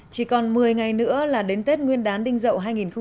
chỉ còn một mươi ngày nữa là đến tết nguyên đán đinh dậu hai nghìn một mươi bảy